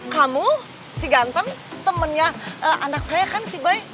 kamu si ganteng temennya anak saya kan si boy